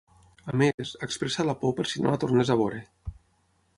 A més, expressa la por per si no la tornés a veure.